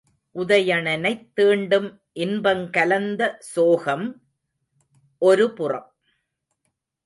உதயணனைத் தீண்டும் இன்பங் கலந்த சோகம் ஒரு புறம்.